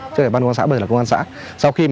chứ để ban công an xã bây giờ là công an xã